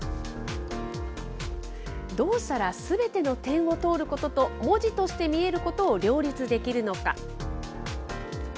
どうしたらすべての点を通ることと、文字として見えることを両立できるのか。